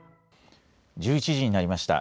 １１時になりました。